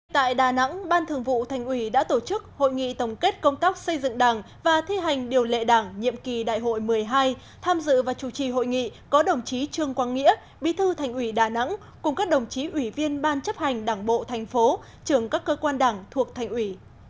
tại đà nẵng ban thường vụ thành ủy đã tổ chức hội nghị tổng kết công tác xây dựng đảng và thi hành điều lệ đảng nhiệm kỳ đại hội một mươi hai tham dự và chủ trì hội nghị có đồng chí trương quang nghĩa bí thư thành ủy đà nẵng cùng các đồng chí ủy viên ban chấp hành đảng bộ thành phố trưởng các cơ quan đảng thuộc thành ủy